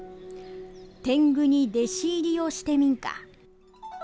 てんぐに弟子入りをしてみんか？